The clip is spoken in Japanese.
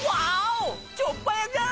チョッ早じゃん！